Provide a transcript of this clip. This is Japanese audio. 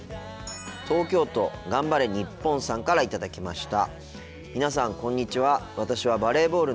東京都がんばれニッポンさんから頂きました。